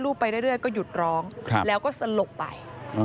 ไปเรื่อยก็หยุดร้องแล้วก็สลบไป